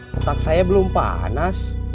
botak saya belum panas